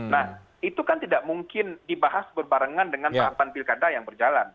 nah itu kan tidak mungkin dibahas berbarengan dengan tahapan pilkada yang berjalan